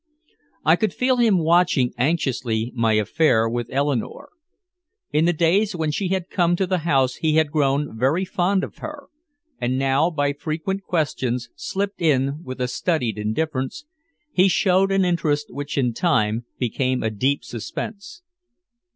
I could feel him watching anxiously my affair with Eleanore. In the days when she had come to the house he had grown very fond of her, and now by frequent questions, slipped in with a studied indifference, he showed an interest which in time became a deep suspense.